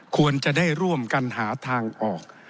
ควรจะได้ร่วมกันหาทางออก